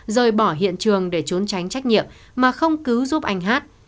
rời bỏ hiện trường để trốn tránh trách nhiệm mà không cứu giúp anh hát